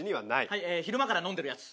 はい昼間から飲んでるやつ。